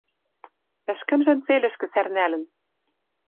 Ӹшкӹмжӹн цельӹшкӹ сӓрнӓлӹн